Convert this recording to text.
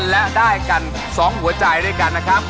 และได้กัน๒หัวใจด้วยกันนะครับ